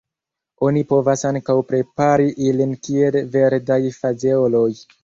Oni povas ankaŭ prepari ilin kiel verdaj fazeoloj.